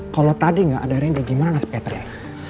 kalau tadi gak ada randy gimana si petrin